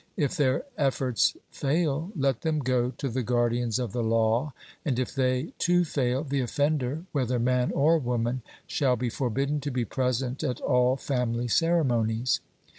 If their efforts fail, let them go to the guardians of the law; and if they too fail, the offender, whether man or woman, shall be forbidden to be present at all family ceremonies.